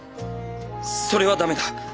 それは駄目だ。